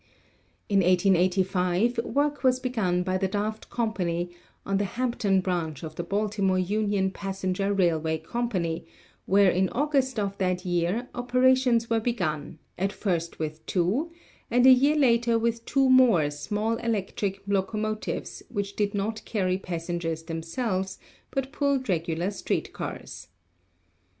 In 1885 work was begun hy the Daft Company on the Hampton branch of the Bal timore Union Passenger Railway Company, where in August of that year operations were begun, at first with two and a year later with two more small electric loco motives which did not carry passengers themselves, but pulled regular street cars.